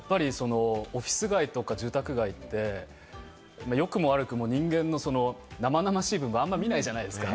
オフィス街とか住宅街って、よくも悪くも人間の生々しい部分、あんまり見ないじゃないですか。